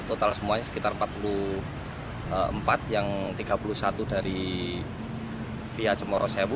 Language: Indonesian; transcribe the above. total semuanya sekitar empat puluh empat yang tiga puluh satu dari via cemorosewu